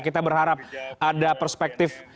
kita berharap ada perspektif